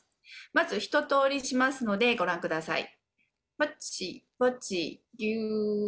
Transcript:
まず、一とおりしますのでご覧ください。